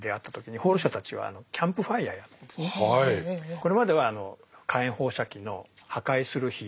これまではあの火炎放射器の破壊する火。